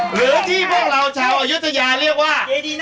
หรือที่พวกเราชาวอายุทยาเรียกว่า